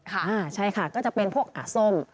ค่ะใช่ค่ะก็จะเป็นพวกอะส้ม